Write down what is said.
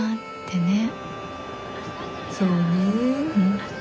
そうね。